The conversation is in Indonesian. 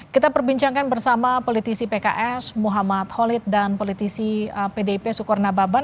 kita perbincangkan bersama politisi pks muhammad khalid dan politisi pdip sukorna babat